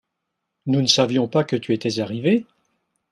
nous ne savions pas que tu étais arrivé.